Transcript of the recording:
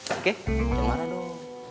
oke jangan marah dong